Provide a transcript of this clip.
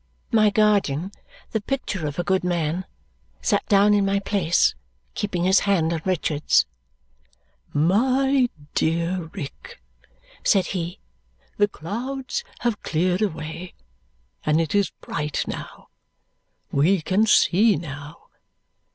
My guardian, the picture of a good man, sat down in my place, keeping his hand on Richard's. "My dear Rick," said he, "the clouds have cleared away, and it is bright now. We can see now.